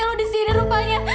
lu disini rupanya